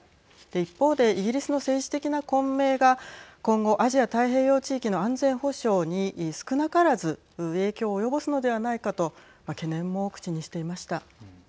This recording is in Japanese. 一方でイギリスの政治的な混迷が今後アジア太平洋地域の安全保障に少なからず影響を及ぼすのではないかと懸念も口にしていました。